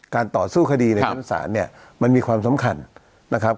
ต่อสู้คดีในชั้นศาลเนี่ยมันมีความสำคัญนะครับ